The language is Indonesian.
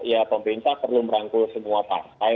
ya pemerintah perlu merangkul semua partai